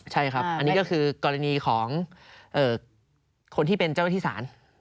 ใช่ครับอันนี้ก็คือกรณีของคนที่เป็นเจ้าหน้าที่ศาล